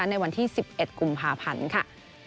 ในวันที่๑๑กุมภาพันธ์ค่ะ